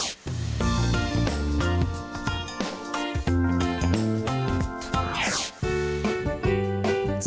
มันสะอาดแบบนี้